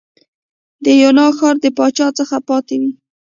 د یونا ښار د پاچا څخه پاتې وې.